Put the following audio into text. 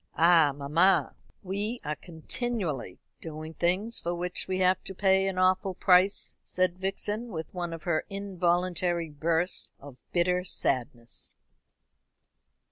"Ah, mamma, we are continually doing things for which we have to pay an awful price," said Vixen, with one of her involuntary bursts of bitter sadness.